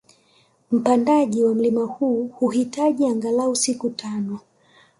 Mpandaji wa mlima huu huhitaji angalau siku tano